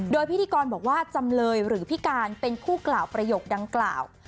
โดยพิธีกรบอกว่าจำเลยหรือพี่การเป็นผู้กล่าวประโยคดังกล่าว